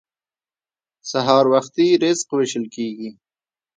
سهار وختي رزق ویشل کیږي.